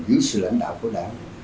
với sự lãnh đạo của đảng